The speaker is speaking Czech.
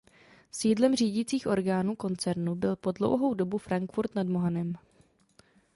Sídlem řídicích orgánů koncernu byl po dlouhou dobu Frankfurt nad Mohanem.